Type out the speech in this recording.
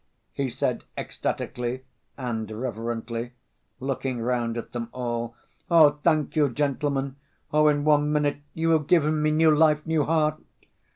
he said ecstatically and reverently, looking round at them all. "Oh, thank you, gentlemen! Oh, in one minute you have given me new life, new heart!...